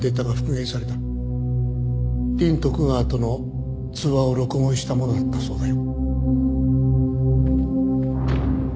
リン・トクガワとの通話を録音したものだったそうだよ。